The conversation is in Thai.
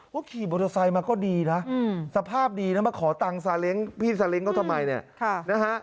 ว่าขี่มอเตอร์ไซค์มาก็ดีนะสภาพดีนะมาขอตังค์พี่สาเล็งก์เขาทำไมเนี่ย